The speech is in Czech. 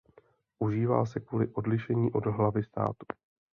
Užívá se kvůli odlišení od hlavy státu.